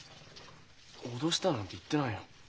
「脅した」なんて言ってないよ。